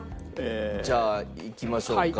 じゃあいきましょうか？